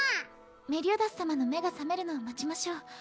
メリオダス様の目が覚めるのを待ちましょう。